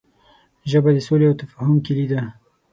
ژبه د سولې او تفاهم کلۍ ده